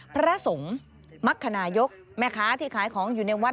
พระสงฆ์มักคนายกแม่ค้าที่ขายของอยู่ในวัด